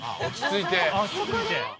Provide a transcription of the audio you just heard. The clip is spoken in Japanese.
落ち着いて。